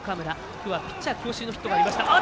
今日はピッチャー強襲のヒットがありました。